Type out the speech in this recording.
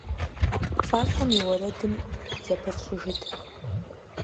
ПцӀащхъуэм и уэрэдым зыпыфщӀыжыт.